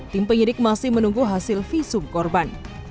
tim penyidik masih menunggu hasil visum korban